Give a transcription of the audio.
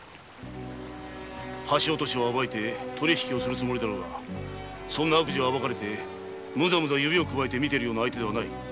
橋落としを暴いて取り引きをするつもりだろうがそんな悪事を暴かれてムザムザ指をくわえて見ているような相手ではない！